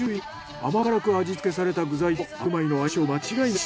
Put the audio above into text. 甘辛く味付けされた具材と白米の相性は間違いなし。